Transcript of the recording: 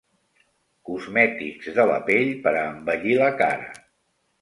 Cosmètics de la pell per a embellir la cara.